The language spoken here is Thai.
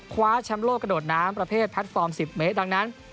คว้าแชมป์โลกกระโดดน้ำประเภทแพลตฟอร์ม๑๐เมตรดังนั้น